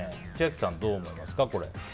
千秋さん、どう思いますか？